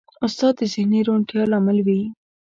استاد د ذهني روڼتیا لامل وي.